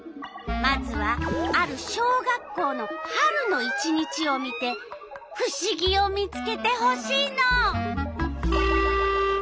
まずはある小学校の春の１日を見てふしぎを見つけてほしいの。